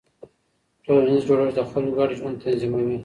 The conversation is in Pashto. ټولنیز جوړښت د خلکو ګډ ژوند تنظیموي.